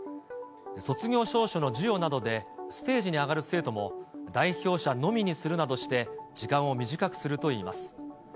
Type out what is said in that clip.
卒業証書の授与などでステージに上がる生徒も、代表者のみにするなどして、時間を短くするといいます。